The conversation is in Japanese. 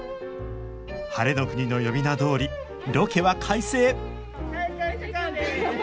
晴れの国の呼び名どおりロケは快晴！